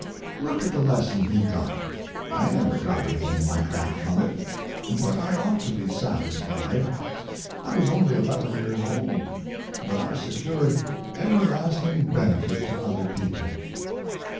Look at the lesson he got! I never got anything like that from it. But I ought to be satisfied: I was only eleven years old, but I secured everlasting benefit to other people.